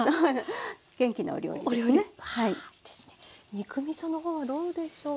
肉みそのほうはどうでしょうか？